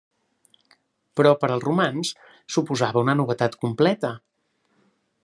Però per als romans suposava una novetat completa.